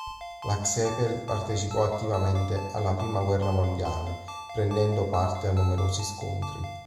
Lo "Csepel" partecipò attivamente alla prima guerra mondiale, prendendo parte a numerosi scontri.